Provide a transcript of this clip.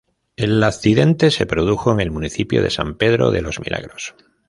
El accidente se produjo en el municipio de San Pedro de Los Milagros.